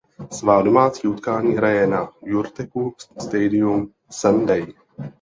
Svá domácí utkání hraje na Yurtec Stadium Sendai.